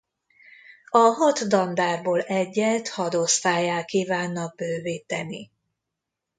A hat dandárból egyet hadosztállyá kívánnak bővíteni.